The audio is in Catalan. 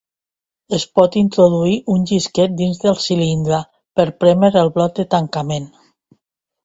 Es pot introduir un llisquet dins del cilindre per prémer el bloc de tancament.